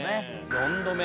４度目。